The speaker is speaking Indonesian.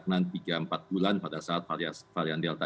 daya nya sudah stagnan tiga empat bulan pada saat varian delta